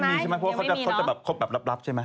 ไม่มีใช่มั้ยเพราะว่าเขาจะคบแบบรับใช่มั้ย